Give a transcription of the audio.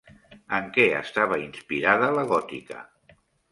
En què estava inspirada La Gòtica?